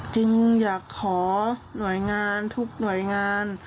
จริงอยากขอหน่วยงานทุกหน่วยงาน